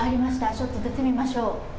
ちょっと出てみましょう。